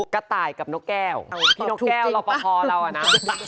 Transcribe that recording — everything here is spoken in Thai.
กระต่ายกับนกแก้วพี่นกแก้วรอปภเราอะนะ